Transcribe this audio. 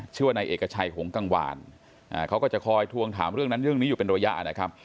ชื่อว่านายเอกชัยหงกังวานเขาก็จะคอยทวงถามเรื่องนั้นเรื่องนี้อยู่เป็นระยะนะครับ